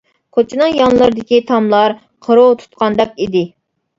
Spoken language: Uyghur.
كوچىنىڭ يانلىرىدىكى تاملار قىروۋ تۇتقاندەك ئىدى.